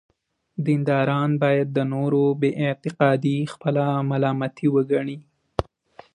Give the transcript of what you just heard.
دینداران باید د نورو بې اعتقادي خپله ملامتي وګڼي.